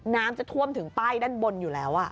น้ำจะท่วมถึงป้ายด้านบนอยู่แล้ว